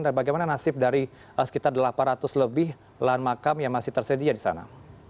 dan bagaimana nasib dari sekitar delapan ratus lebih lahan makam yang masih tersedia di sana